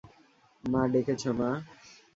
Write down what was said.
মা ডেকেছো না?